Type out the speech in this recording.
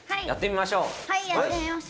やってみましょう！